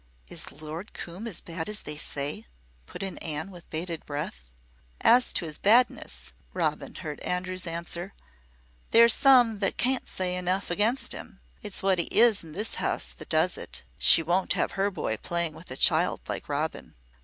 "Is Lord Coombe as bad as they say?" put in Anne, with bated breath. "As to his badness," Robin heard Andrews answer, "there's some that can't say enough against him. It's what he is in this house that does it. She won't have her boy playing with a child like Robin."